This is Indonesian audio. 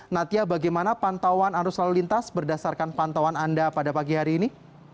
natia bagaimana pantauan arus lalu lintas berdasarkan pantauan anda pada pagi hari ini